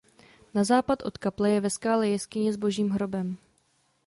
Na západ od kaple je ve skále jeskyně s Božím hrobem.